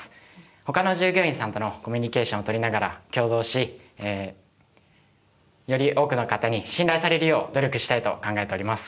ほかの従業員さんとのコミュニケーションをとりながら協働しえより多くの方に信頼されるよう努力したいと考えております。